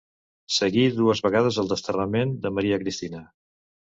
Seguí dues vegades al desterrament de Maria Cristina.